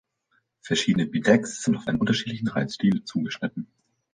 Verschiedene Bidecks sind auf einen unterschiedlichen Reitstil zugeschnitten.